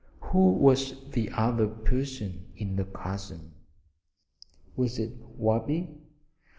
Who was the other person in the chasm? Was it Wabi?